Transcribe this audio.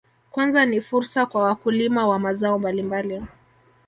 Kwanza ni fursa kwa wakulima wa mazao mbalimbali